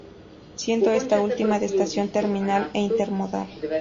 Siendo esta última la Estación Terminal e Intermodal.